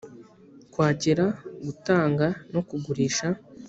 kwakira gutanga no kugurisha